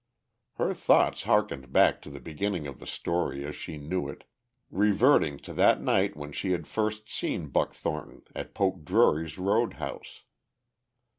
Her thoughts harked back to the beginning of the story as she knew it, reverting to that night when she had first seen Buck Thornton at Poke Drury's road house.